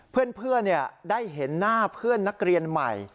เพื่อนได้เห็นหน้าเพื่อนนักเรียนใหม่